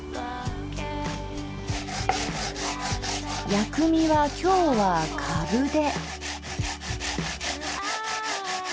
薬味は今日はかぶで。